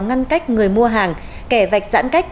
ngăn cách người mua hàng kẻ vạch giãn cách